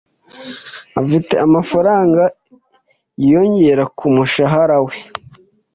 Afite amafaranga yiyongera ku mushahara we.